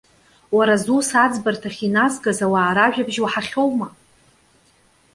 Уара зус аӡбарҭахь иназгаз ауаа ражәабжь уаҳахьоума?